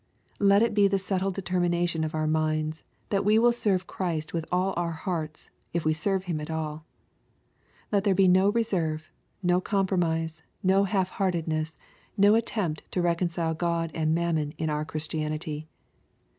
Let it be the settled determination of our minds that we will serve Christ with aU our hearts, if we serve Him at all. Let there be no reserve, no compromise, no half heartedness, no attempt to reconcile God and mammon in our Christianity.